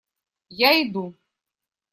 Я иду.